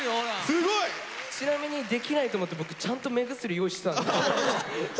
すごい！ちなみにできないと思って僕ちゃんと目薬用意してたんです。